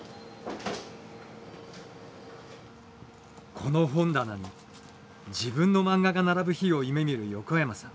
この本棚に自分の漫画が並ぶ日を夢みる横山さん。